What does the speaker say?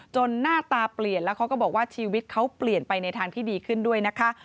หน้าตาเปลี่ยนแล้วเขาก็บอกว่าชีวิตเขาเปลี่ยนไปในทางที่ดีขึ้นด้วยนะคะ